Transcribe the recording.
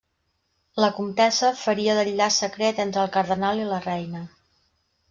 La comtessa faria d'enllaç secret entre el cardenal i la reina.